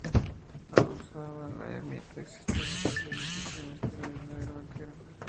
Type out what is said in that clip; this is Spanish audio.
Adosada a la ermita existían otras edificaciones para vivienda del barquero.